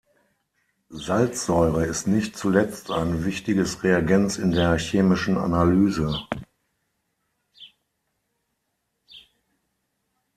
Salzsäure ist nicht zuletzt ein wichtiges Reagenz in der chemischen Analyse.